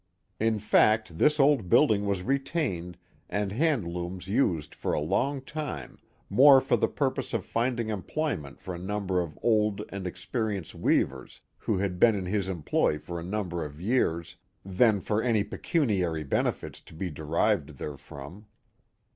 In fact, this old building was retained and hand looms used for a long time, more for the purpose of finding employment for a number of old and experienced weavers who had been in his employ for a number of years than for any pecuniary benefit to be derived therefrom.